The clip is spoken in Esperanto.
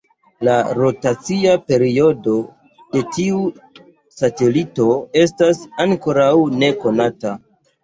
La rotacia periodo de tiu satelito estas ankoraŭ nekonata.